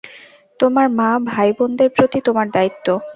তোমার মা, ভাই-বোন দের প্রতি তোমার দায়িত্ব।